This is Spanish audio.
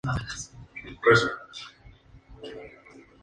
Posteriormente ese mismo año fue nombrado Vizconde de Lambton y Conde de Durham.